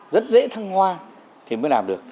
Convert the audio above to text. rất dễ thăng hoa thì mới làm được